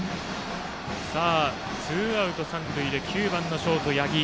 ツーアウト三塁で９番のショート、八木。